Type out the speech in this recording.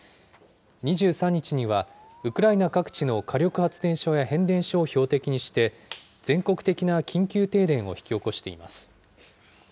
２３日には、ウクライナ各地の火力発電所や変電所を標的にして、全国的な緊急停電を引き起こしています。